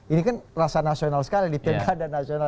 ini kan rasa nasional sekali di pilkada nasional